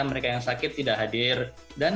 mereka yang sakit tidak hadir dan